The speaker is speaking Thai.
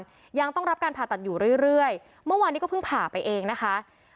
ก็เลยต้องรีบไปแจ้งให้ตรวจสอบคือตอนนี้ครอบครัวรู้สึกไม่ไกล